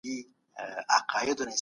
تاسو د حقايقو په لټه کي پاته سوي ياست.